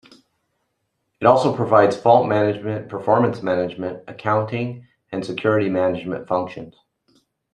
It also provides Fault Management, Performance Management, Accounting and Security Management functions.